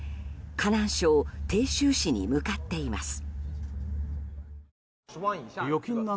河南省鄭州市に向かっています。